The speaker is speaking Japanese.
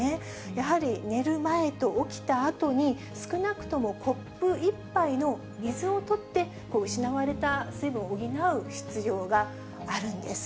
やはり寝る前と起きたあとに、少なくともコップ１杯の水をとって、失われた水分を補う必要があるんです。